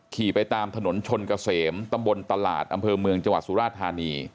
ขี่ไปตามถนนชนเกษมตำบลตลาดอำเภอเมืองจังหวัดสุราธานี